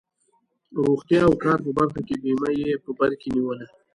روغتیا او کار په برخه کې بیمه یې په بر کې نیوله.